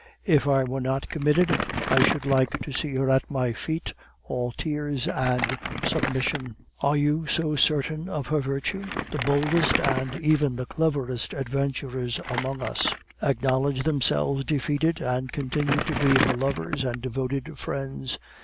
If I were not committed, I should like to see her at my feet all tears and submission.' "'Are you so certain of her virtue?' "'The boldest and even the cleverest adventurers among us, acknowledge themselves defeated, and continue to be her lovers and devoted friends.